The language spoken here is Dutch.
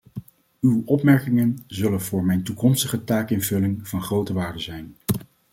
Uw opmerkingen zullen voor mijn toekomstige taakinvulling van grote waarde zijn.